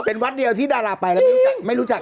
เป็นวัดเดียวที่ดาราไปแล้วไม่รู้จัก